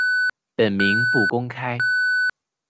本名不公开。